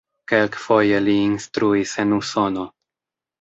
Kelkfoje li instruis en Usono.